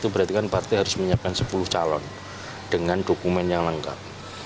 berarti harus menyiapkan sepuluh calon dengan dokumen yang lengkap